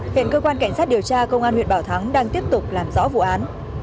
hiện cơ quan cảnh sát điều tra công an huyện bảo thắng đang tiếp tục làm rõ vụ án